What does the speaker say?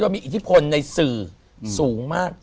มีอิทธิพลในสื่อสูงมาก